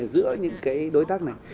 giữa những cái đối tác này